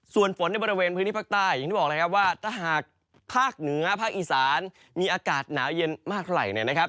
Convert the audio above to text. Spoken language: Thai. ส่วนฝนในบริเวณพื้นที่ภาคใต้อย่างที่บอกเลยครับว่าถ้าหากภาคเหนือภาคอีสานมีอากาศหนาวเย็นมากเท่าไหร่เนี่ยนะครับ